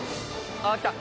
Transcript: あっきた！